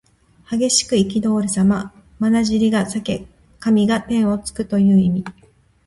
激しくいきどおるさま。まなじりが裂け髪が天をつくという意味。